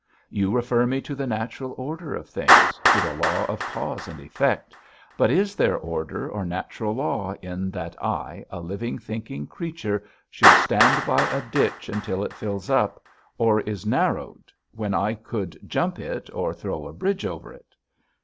You refer me to the natural order of things, to the law of cause and effect, but is there order or natural law in that I, a living, thinking creature, should stand by a ditch until it fills up, or is narrowed, when I could jump it or throw a bridge over it?